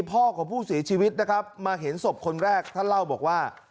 พ่อของผู้เสียชีวิตนะครับมาเห็นศพคนแรกท่านเล่าบอกว่า